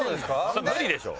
そりゃ無理でしょ。